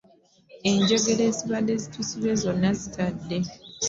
Enjegere ezibadde zitusibye zonna zitadde.